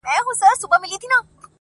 تا د نازکو سترګو اوښکې زما زړه پرېباسي